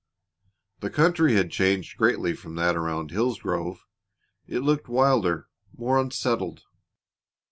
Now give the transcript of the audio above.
The country had changed greatly from that around Hillsgrove. It looked wilder, more unsettled.